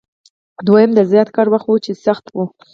دویم د زیات کار وخت و چې سخت و.